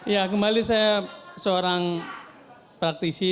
ya kembali saya seorang praktisi